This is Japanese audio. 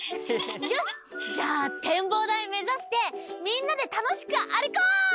よしじゃあてんぼうだいめざしてみんなでたのしくあるこう！